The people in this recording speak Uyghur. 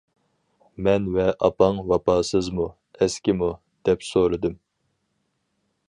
مەن ۋە ئاپاڭ ۋاپاسىزمۇ؟ ئەسكىمۇ؟- دەپ سورىدىم.